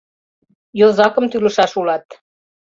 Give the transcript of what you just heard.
— Йозакым тӱлышаш улат.